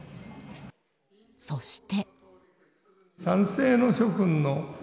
そして。